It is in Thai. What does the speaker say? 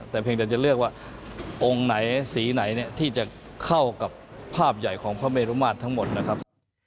แต่เพียงแต่จะเลือกว่าองค์ไหนสีไหนเนี่ยที่จะเข้ากับภาพใหญ่ของพระเมรุมาตรทั้งหมดนะครับ